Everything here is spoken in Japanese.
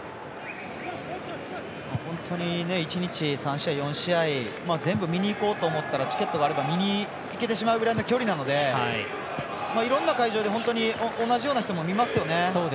本当に１日３試合、４試合全部、見にいこうと思ったら見に行けてしまうぐらいの距離なのでいろんな会場で同じような人も見ますよね。